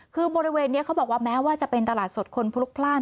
คือบริเวณนี้เขาบอกว่าแม้ว่าจะเป็นตลาดสดคนพลุกพลาด